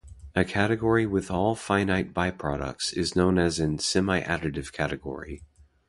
A category with all finite biproducts is known as an semiadditive category.